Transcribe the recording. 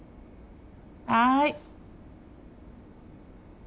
はい。